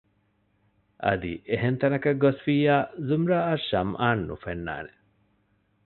އަދި އެހެން ތަނަކަށް ގޮސްފިއްޔާ ޒުމްރާއަށް ޝަމްއާން ނުފެންނާނެ